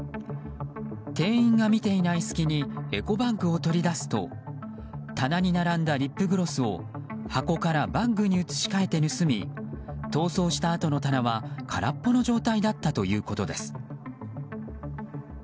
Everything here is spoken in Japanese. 店員が見ていない隙にエコバッグを取り出すと棚に並んだリップグロスを箱からバッグに移し替えて盗み逃走したあとの棚は空っぽの状態だったということです。